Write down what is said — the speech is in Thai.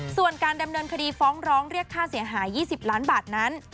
ส่วนการดำเนินคดีฟ้องร้องเรียกค่าเสียหาย๒๐ล้านบาทนั้น